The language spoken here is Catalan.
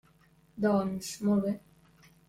Doncs, molt bé.